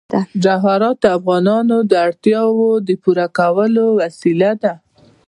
جواهرات د افغانانو د اړتیاوو د پوره کولو وسیله ده.